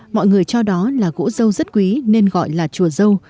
mọi người cho đó là gỗ dâu rất quý nên gọi là chùa dâu